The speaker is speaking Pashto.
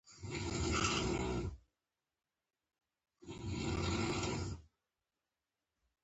آ ښه مککه، د تورن تنخواه څومره وي؟